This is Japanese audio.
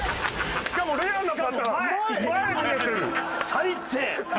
最低！